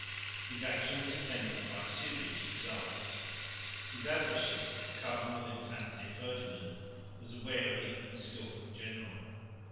His action was attended by serious results. His adversary, the Cardinal Infante Ferdinand, was a wary and skilful general.